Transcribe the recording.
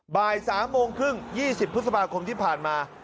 บ่ายสามโมงครึ่งยี่สิบพศพคมที่ผ่านมา